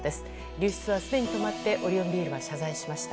流出はすでに止まってオリオンビールは謝罪しました。